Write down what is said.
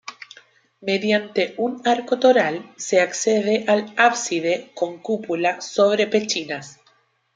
Mediante un arco toral se accede al ábside con cúpula sobre pechinas.